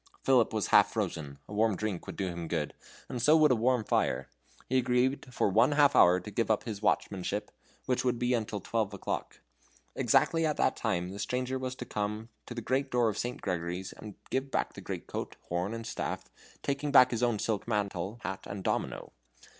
Philip was half frozen; a warm drink would do him good, and so would a warm fire. He agreed for one half hour to give up his watchmanship, which would be till twelve o'clock. Exactly at that time the stranger was to come to the great door of St. Gregory's and give back the great coat, horn, and staff, taking back his own silk mantle, hat, and domino.